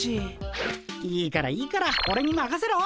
いいからいいからオレにまかせろ！